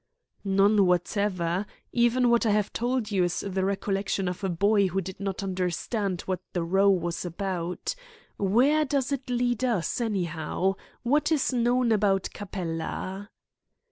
"None whatever. Even what I have told you is the recollection of a boy who did not understand what the row was about. Where does it lead us, anyhow? What is known about Capella?"